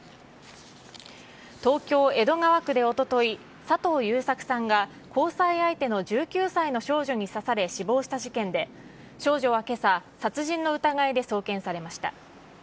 東京・江戸川区でおととい、佐藤優作さんが、交際相手の１９歳の少女に刺され死亡した事件で、少女はけさ、殺人の疑いで送検されました。